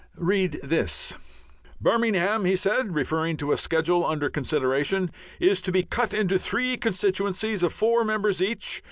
Read this "Birmingham," he said, referring to a Schedule under consideration, "is to be cut into three constituencies of four members each.